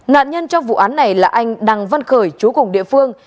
nạn nhân trong vụ án này là anh đặng văn khởi chú cùng địa phương